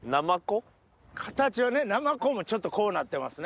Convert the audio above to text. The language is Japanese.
形はねナマコもちょっとこうなってますね。